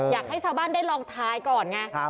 อยากให้ชาวบ้านได้ลองทายก่อนไง